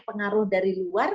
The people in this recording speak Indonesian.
pengaruh dari luar